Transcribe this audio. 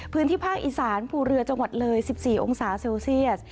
พื้นที่ภาคอีสานภูเรือจังหวัดเลย๑๔องศาเซลเซียส